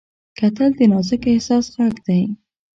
کتل د نازک احساس غږ دی